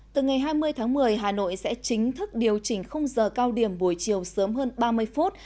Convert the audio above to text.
từ ngày hai mươi tháng một mươi hà nội sẽ chính thức điều chỉnh khung giờ cao điểm buổi chiều sớm hơn ba mươi phút